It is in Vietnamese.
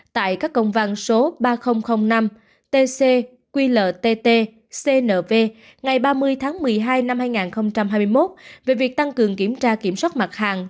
tại các công văn số ba nghìn năm tc qltt cnv ngày ba mươi tháng một mươi hai năm hai nghìn hai mươi một về việc tăng cường kiểm tra kiểm soát mặt hàng